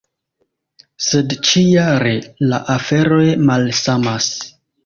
Sed ĉi-jare la aferoj malsamas.